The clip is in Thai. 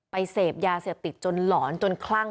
ไปเสียบยาเสียบติดจนหลอนจนคลั่ง